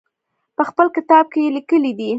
په خپل کتاب کې یې لیکلي دي.